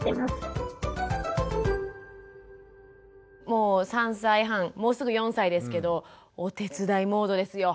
もう３歳半もうすぐ４歳ですけどお手伝いモードですよ。